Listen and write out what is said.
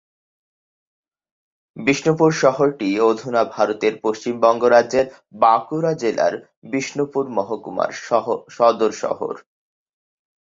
বিষ্ণুপুর শহরটি অধুনা ভারতের পশ্চিমবঙ্গ রাজ্যের বাঁকুড়া জেলার বিষ্ণুপুর মহকুমার সদর শহর।